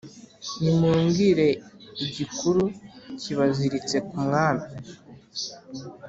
nimumbwire igikuru kibaziritse ku mwami